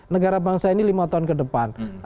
negara bangsa ini lima tahun ke depan